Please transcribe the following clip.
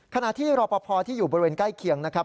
ขณะที่รอปภที่อยู่บริเวณใกล้เคียงนะครับ